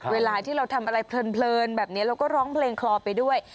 เวลาที่เราทำอะไรเพลินแบบนี้เราก็ร้องเพลงคลอไปด้วย